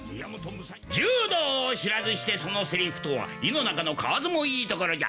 柔道を知らずしてそのセリフとは井の中の蛙もいいところじゃ。